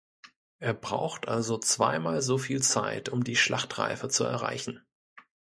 Er braucht also zweimal soviel Zeit, um die Schlachtreife zu erreichen.